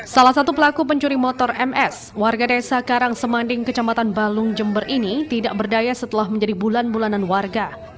salah satu pelaku pencuri motor ms warga desa karang semanding kecamatan balung jember ini tidak berdaya setelah menjadi bulan bulanan warga